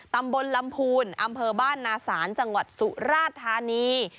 ตำบลลำพูนอำเภอบ้านนาศาลจังหวัดสุราธานี